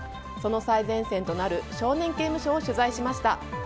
その最前線となる少年刑務所を取材しました。